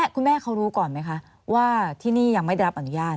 คุณแม่เขารู้ก่อนไหมคะว่าที่นี่ยังไม่ได้รับอนุญาต